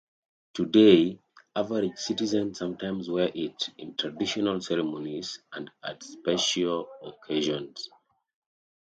Today, average citizens sometimes wear it in traditional ceremonies and at special occasions.